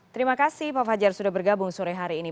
terima kasih pak fajar sudah bergabung sore hari ini